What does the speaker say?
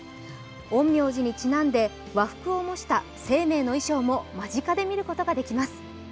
陰陽師にちなんで和服をもした「ＳＥＩＭＥＩ」の衣装も間近で見ることができます。